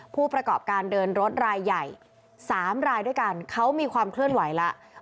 ผู้ประกอบการเดินรถรายใหญ่๓รายด้วยกันเขามีความเคลื่อนไหวแล้ว